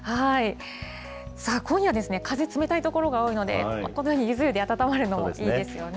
さあ、今夜は風冷たい所が多いので、このようにゆず湯で温まるのもいいですよね。